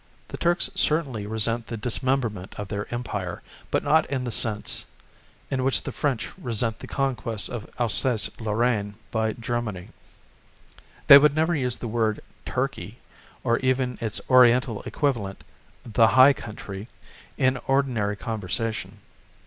The Turks certainly resent the dismemberment of their Empire, but not in the sense in which the French resent the conquest of Alsace Lorraine by Germany. They would never use the word 'Turkey' or even its oriental equivalent, 'The High Country' in ordinary conversation.